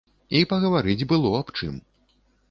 І пагаварыць было аб чым.